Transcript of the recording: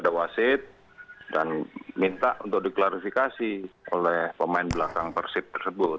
dan minta untuk diklarifikasi oleh pemain belakang persib tersebut